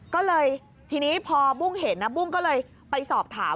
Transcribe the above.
ก็เลยทีนี้พอบุ้งเห็นนะบุ้งก็เลยไปสอบถาม